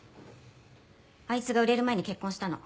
あいつが売れる前に結婚したの。